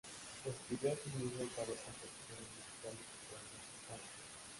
Escribió asimismo varias composiciones musicales y poemas sinfónicos.